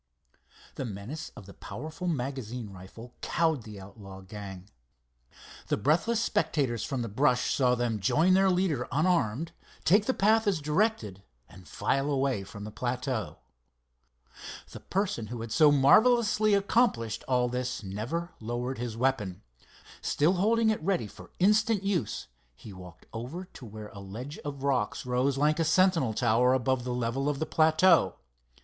The menace of the powerful magazine rifle cowed the outlaw gang. The breathless spectators from the brush saw them join their leader unarmed, take the path as directed, and file away from the plateau. The person who had so marvellously accomplished all this never lowered his weapon. Still holding it ready for instant use, he walked over to where a ledge of rocks rose like a sentinel tower above the level of the plateau.